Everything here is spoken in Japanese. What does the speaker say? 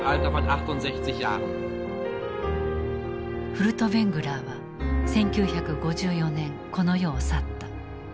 フルトヴェングラーは１９５４年この世を去った。